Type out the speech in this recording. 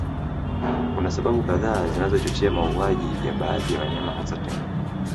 Kuna sababu kadhaa zinazochochea mauaji ya baadhi ya wanyama hasa Tembo